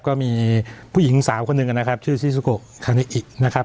ก็มีผู้หญิงสาวคนหนึ่งอ่ะนะครับชื่อศิสุโกคะเรียนะครับ